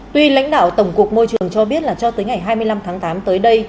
tuy lãnh đạo tổng cục môi trường cho biết là cho tới ngày hai mươi năm tháng tám tới đây